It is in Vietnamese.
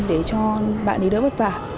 để cho bạn ấy đỡ bất vả